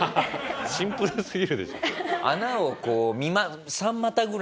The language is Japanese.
シンプルすぎるでしょ。